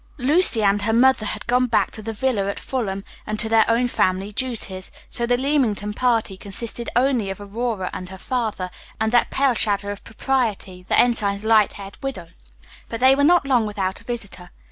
Lucy and her mother had gone back to the villa at Fulham, and to their own family duties; so the Leamington party consisted only of Aurora and her father, and that pale shadow of propriety, the ensign's light haired widow. But they were not long without a visitor.